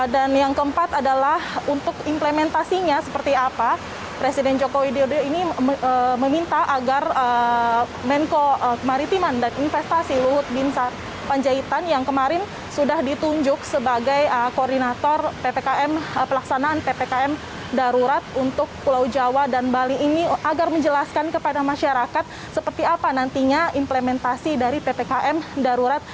dan yang keempat adalah untuk implementasinya seperti apa presiden jokowi dodo ini meminta agar menko maritiman dan investasi luhut bin panjaitan yang kemarin sudah ditunjuk sebagai koordinator ppkm pelaksanaan ppkm darurat untuk pulau jawa dan bali ini agar menjelaskan kepada masyarakat seperti apa nantinya implementasi dari ppkm darurat